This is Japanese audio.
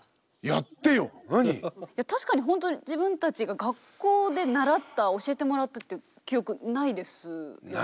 いや確かにほんとに自分たちが学校で習った教えてもらったっていう記憶ないですよね？